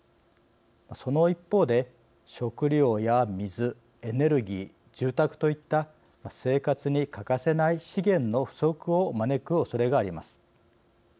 その一方で食料や水、エネルギー住宅といった生活に欠かせない資源の不足を招くおそれがあります。